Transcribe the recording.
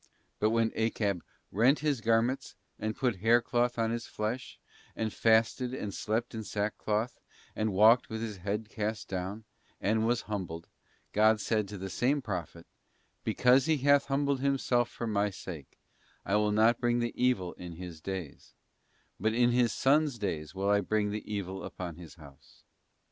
But when Achab 'rent his 'garments, and put haircloth on his flesh, and fasted and slept in sackcloth, and walked with his head cast down,' and was humbled, God said to the same Prophet, ' Because he hath humbled himself for My sake, I will not bring the evil in his days; but in his son's days will I bring the evit upon his house.